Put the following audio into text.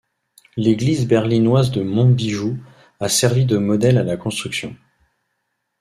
L'église berlinoise de Monbijou a servi de modèle à la construction.